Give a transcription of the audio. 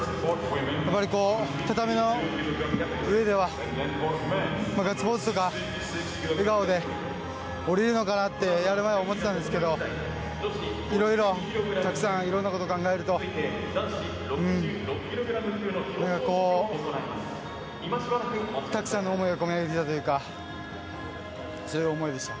畳の上ではガッツポーズとか笑顔で下りれるのかなってやる前は思っていたんですけどたくさんいろんなことを考えるとたくさんの思いが込み上げてきたというかそういう思いでした。